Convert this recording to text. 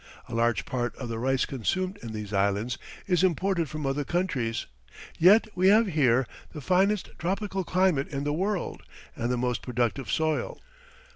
A large part of the rice consumed in these Islands is imported from other countries, yet we have here the finest tropical climate in the world and the most productive soil.